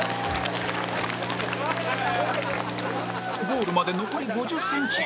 ゴールまで残り５０センチ